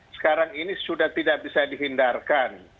sekarang ini sudah tidak bisa dihindarkan